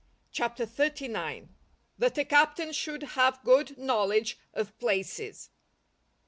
CHAPTER XXXIX.—_That a Captain should have good knowledge of Places.